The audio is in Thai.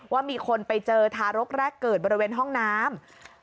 ว่ามีคนไปเจอทารกแรกเกิดบริเวณห้องน้ำ